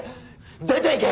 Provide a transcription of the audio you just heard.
出ていけ！